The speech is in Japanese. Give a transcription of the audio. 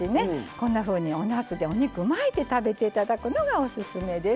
こんなふうにおなすでお肉を巻いて食べていただくのがオススメです。